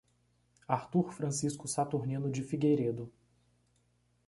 Artur Francisco Saturnino de Figueiredo